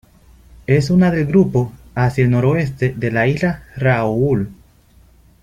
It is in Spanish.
Es una del grupo hacia el noreste de la isla Raoul.